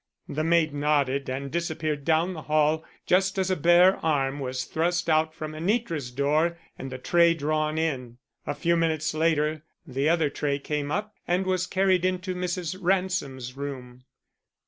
The maid nodded and disappeared down the hall just as a bare arm was thrust out from Anitra's door and the tray drawn in. A few minutes later the other tray came up and was carried into Mrs. Ransom's room.